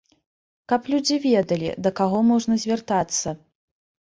Каб людзі ведалі, да каго можна звяртацца.